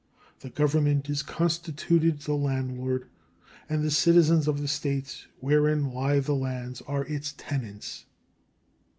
The Government is constituted the landlord, and the Citizens of the States wherein lie the lands are its tenants.